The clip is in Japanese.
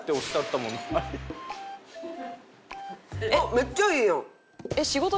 めっちゃいいやん！